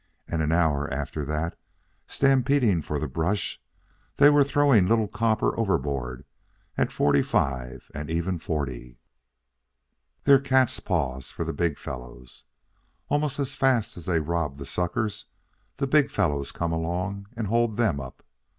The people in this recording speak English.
And an hour after that, stampeding for the brush, they were throwing Little Copper overboard at forty five and even forty. "They're catspaws for the big fellows. Almost as fast as they rob the suckers, the big fellows come along and hold them up.